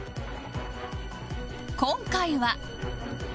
今回は